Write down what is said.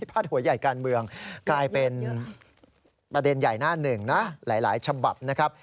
อันหน้าพาทหัวใหญ่การเมืองกลายเป็นภาเดนใหญ่หน้าหนึ่งนะหลายฉบับนะครับ